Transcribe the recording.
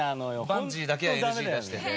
バンジーだけはＮＧ出してて。